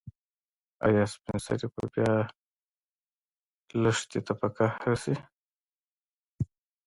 ایا سپین سرې به بیا لښتې ته په قهر شي؟